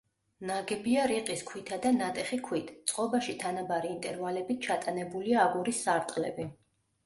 ნაგებია რიყის ქვითა და ნატეხი ქვით; წყობაში თანაბარი ინტერვალებით ჩატანებულია აგურის სარტყლები.